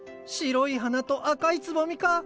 白い花と赤いつぼみか。